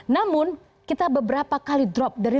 namun kita beberapa kali drop dari lima puluh tujuh